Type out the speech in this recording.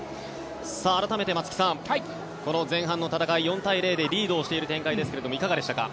改めて松木さん前半の戦い４対０でリードしている展開ですがいかがですか。